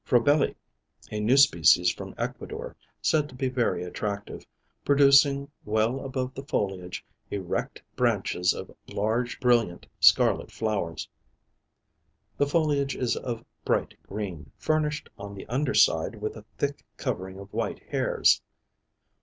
Frobelii, a new species from Ecuador, said to be very attractive, producing, well above the foliage, erect branches of large brilliant scarlet flowers; the foliage is of bright green, furnished on the under side with a thick covering of white hairs.